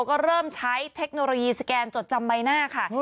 ก็เริ่มใช้เทคโนโลยีสแกนจดจำใบหน้าค่ะ